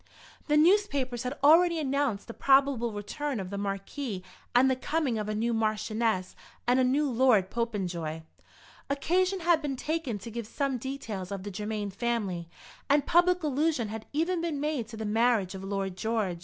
The newspapers had already announced the probable return of the Marquis and the coming of a new Marchioness and a new Lord Popenjoy. Occasion had been taken to give some details of the Germain family, and public allusion had even been made to the marriage of Lord George.